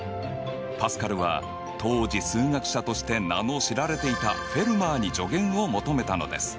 パスカルは当時数学者として名の知られていたフェルマーに助言を求めたのです。